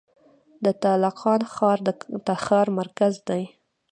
د تالقان ښار د تخار مرکز دی